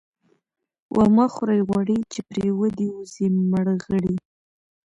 ـ ومه خورئ غوړي ،چې پرې ودې وځي مړغړي.